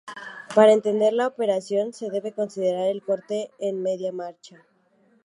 Para entender la operación, se debe considerar el corte en media marcha.